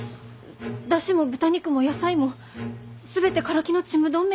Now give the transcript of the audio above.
出汁も豚肉も野菜も全てカラキのちむどん